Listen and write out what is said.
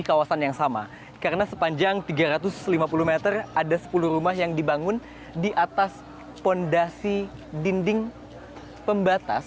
karena sepanjang tiga ratus lima puluh meter ada sepuluh rumah yang dibangun di atas fondasi dinding pembatas